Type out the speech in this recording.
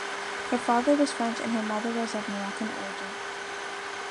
Her father was French and her mother was of Moroccan origin.